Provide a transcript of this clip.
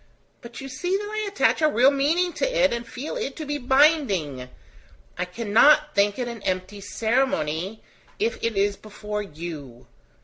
But you see that I attach a real meaning to it, and feel it to be binding: I cannot think it an empty ceremony, if it is before you.